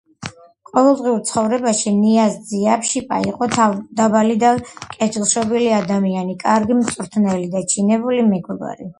ყოველდღიურ ცხოვრებაში ნიაზ ძიაპშიპა იყო თავმდაბალი და კეთილშობილი ადამიანი, კარგი მწვრთნელი და ჩინებული მეგობარი.